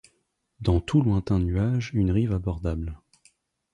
Dans tout lointain nuage une rive abordable